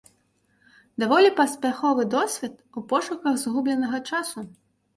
Даволі паспяховы досвед у пошуках згубленага часу.